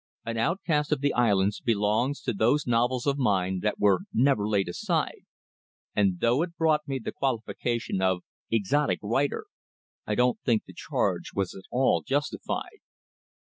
"An Outcast of the Islands" belongs to those novels of mine that were never laid aside; and though it brought me the qualification of "exotic writer" I don't think the charge was at all justified.